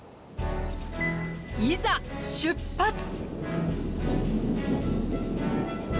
いざ出発！